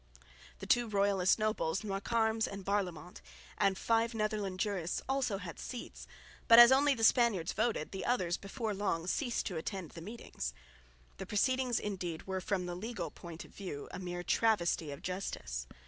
The two royalist nobles, Noircarmes and Barlaymont, and five Netherland jurists also had seats; but, as only the Spaniards voted, the others before long ceased to attend the meetings. The proceedings indeed were, from the legal point of view, a mere travesty of justice.